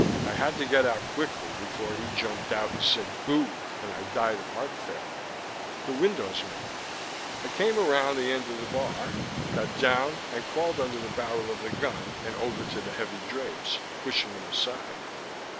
I had to get out quickly before he jumped out and said Boo! and I died of heart failure. The windows, maybe. I came around the end of the bar, got down and crawled under the barrel of the gun and over to the heavy drapes, pushing them aside.